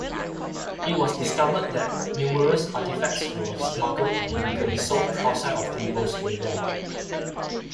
It was discovered that numerous artifacts were smuggled and illegally sold outside of Yugoslavia.